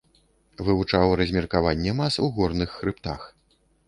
Вывучаў размеркаванне мас у горных хрыбтах.